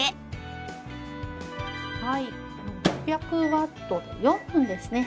６００ワット４分ですね。